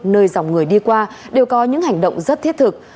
nơi dòng người đi qua đều có những hành động rất thiết thực